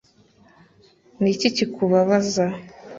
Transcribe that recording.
ni iki kikubabaza